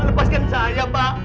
lepaskan saya pak